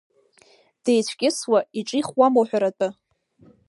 Деицәкьысуа, иҿихуама уҳәаратәы.